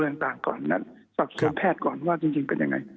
เรื่องต่างก่อนนั้นสอบส่วนแพทย์ก่อนว่าจริงจริงเป็นยังไง